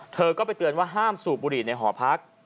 เธอก็ไปเตือนว่าห้ามสูบบุหรี่ในหอพัก